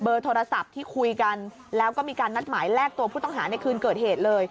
โทรศัพท์ที่คุยกันแล้วก็มีการนัดหมายแลกตัวผู้ต้องหาในคืนเกิดเหตุเลย